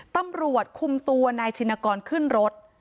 ตำรวจคุมตัวนายชินกรขึ้นรถ